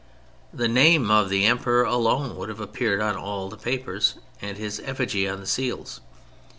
The name of the Emperor alone would have appeared on all the papers and his effigy on the seals.